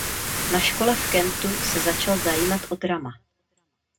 Na škole v Kentu se začal zajímat o drama.